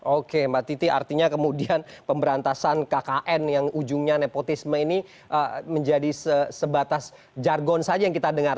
oke mbak titi artinya kemudian pemberantasan kkn yang ujungnya nepotisme ini menjadi sebatas jargon saja yang kita dengar